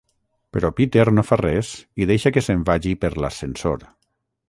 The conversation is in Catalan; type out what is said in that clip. Però Peter no fa res i deixa que se'n vagi per l'ascensor.